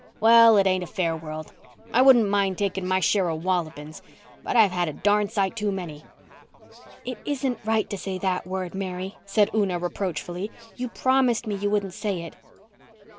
Well, it ain't a fair world. I wouldn't mind taking my share of wallopings but I've had a darn sight too many." "It isn't right to say that word, Mary," said Una reproachfully. "You promised me you wouldn't say it."